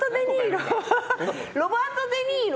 ロバート・デ・ニーロ